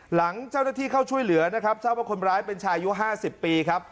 หลังเจ้าหน้าที่เข้าช่วยเหลือนะครับทราบว่าคนร้ายเป็นชายอายุ๕๐ปีครับ